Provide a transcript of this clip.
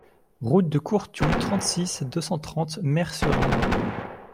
Route de Courtioux, trente-six, deux cent trente Mers-sur-Indre